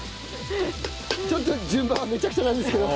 ちょっと順番はめちゃくちゃなんですけど。